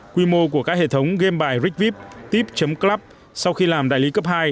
quy mô của các hệ thống game bài rigvip tip club sau khi làm đại lý cấp hai